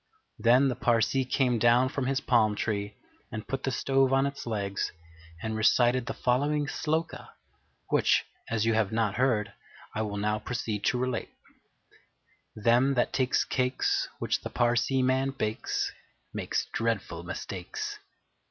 Then the Parsee came down from his palm tree and put the stove on its legs and recited the following Sloka, which, as you have not heard, I will now proceed to relate: Them that takes cakes Which the Parsee man bakes Makes dreadful mistakes.